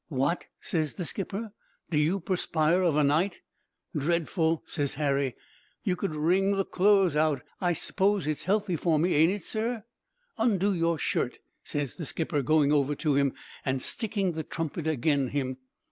"'What?' ses the skipper. 'Do you perspire of a night?' "'Dredful,' ses Harry. 'You could wring the clo'es out. I s'pose it's healthy for me, ain't it, sir?' "'Undo your shirt,' ses the skipper, going over to him, an' sticking the trumpet agin him.